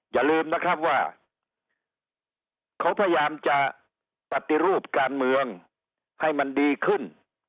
อย่าลืมนะครับว่าเขาพยายามจะปฏิรูปการเมืองให้มันดีขึ้น